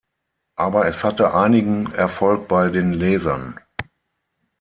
Aber es hatte einigen Erfolg bei den Lesern.